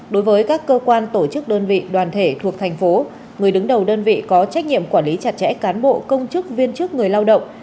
đối với các cơ quan tổ chức đơn vị đoàn thể thuộc thành phố người đứng đầu đơn vị có trách nhiệm quản lý chặt chẽ cán bộ công chức viên chức người lao động